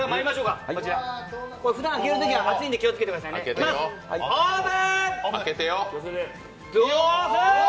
ふだん開けるときは熱いんで気をつけてくださいね、オープン！